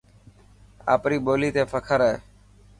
آپري ٻولي تي فخر هي.